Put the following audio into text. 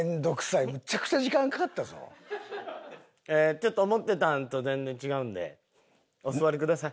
ちょっと思ってたんと全然違うんでお座りください。